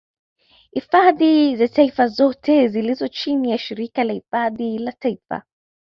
Hifadhi za taifa zote zilizo chini ya shirika la hifadhi za taifa